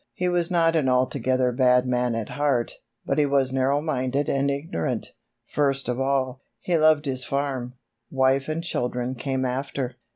He was not an altogether bad man at heart, but he was narrow minded and ignorant. First of all, he loved his farm; wife and children came after.